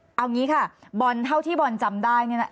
เอาอย่างนี้ค่ะบอลเท่าที่บอลจำได้